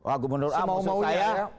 wah gubernur a mau saya